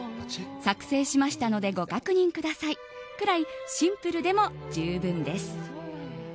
作成しましたのでご確認くださいくらいシンプルでも十分です。